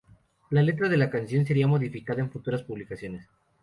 La letra de la canción sería modificada en futuras publicaciones.